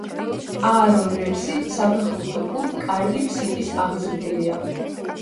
აარონ რემსი საფეხბურთო კლუბ კარდიფ სიტის აღზრდილია.